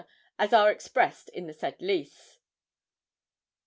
as are expressed in the said lease.